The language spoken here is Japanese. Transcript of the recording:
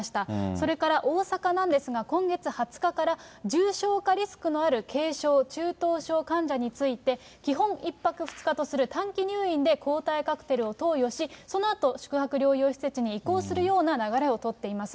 それから大阪なんですが、今月２０日から重症化リスクのある軽症、中等症患者について、基本、１泊２日とする短期入院で抗体カクテルを投与し、そのあと宿泊療養施設に移行するような流れを取っています。